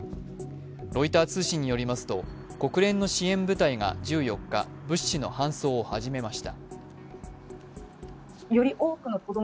ロイター通信によりますと国連の支援部隊が１４日、物資の搬送を始めました。